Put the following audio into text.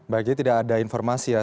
baik jadi tidak ada informasi ya